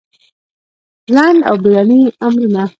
لنډ او بېړني امرونه